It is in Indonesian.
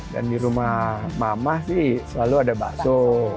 dan di rumah mama sih selalu ada bakso